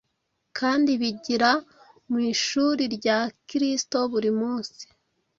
kandi bigira mu ishuri rya Kristo buri munsi.